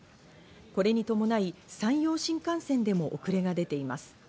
これに伴い、山陽新幹線でも遅れが出ています。